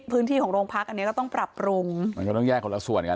พื้นที่ของโรงพักอันนี้ก็ต้องปรับปรุงมันก็ต้องแยกคนละส่วนกัน